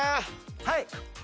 はい！